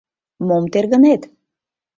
Мом тергынет?